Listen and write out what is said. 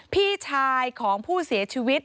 พี่ชายของผู้เสียชีวิต